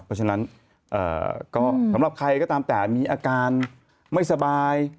เพราะฉะนั้นก็สำหรับใครก็ตามแต่มีอาการไม่สบาย